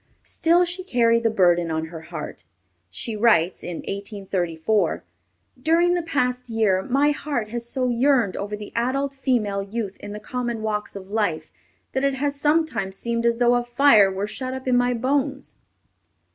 Still she carried the burden on her heart. She writes, in 1834, "During the past year my heart has so yearned over the adult female youth in the common walks of life, that it has sometimes seemed as though a fire were shut up in my bones."